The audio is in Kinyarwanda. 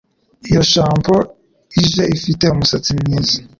Iyi shampoo ije ifite umusatsi mwiza.